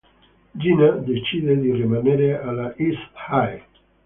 Gina decide di rimanere alla East High.